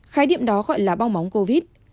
khái điểm đó gọi là bong móng covid